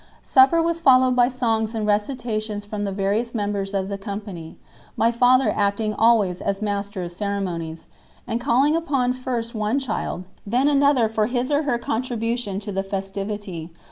Supper was followed by songs and recitations from the various members of the company, my father acting always as master of ceremonies, and calling upon first one child, then another for his or her contribution to the festivity.